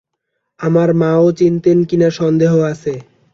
আমার মা ও চিনতেন কিনা সন্দেহ আছে।